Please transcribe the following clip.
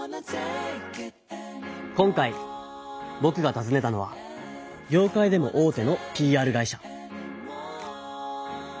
今回ぼくがたずねたのは業界でも大手のＰＲ会社。